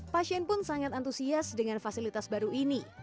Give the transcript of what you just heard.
pasien pun sangat antusias dengan fasilitas baru ini